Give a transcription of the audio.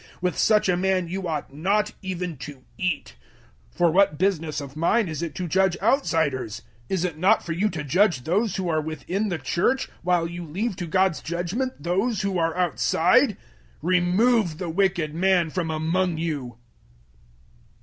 With such a man you ought not even to eat. 005:012 For what business of mine is it to judge outsiders? Is it not for you to judge those who are within the Church 005:013 while you leave to God's judgement those who are outside? Remove the wicked man from among you.